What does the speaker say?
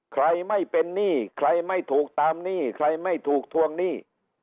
ใครไม่เป็นหนี้ใครไม่ถูกตามหนี้ใครไม่ถูกทวงหนี้